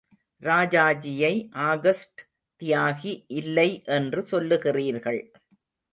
ராஜாஜியை August தியாகி இல்லை என்று சொல்லுகிறீர்கள்.